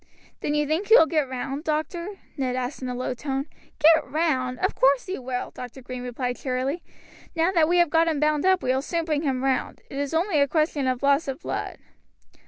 "Then you think he will get round, doctor?" Ned asked in a low tone. "Get round! Of course he will," Dr. Green replied cheerily. "Now that we have got him bound up we will soon bring him round. It is only a question of loss of blood."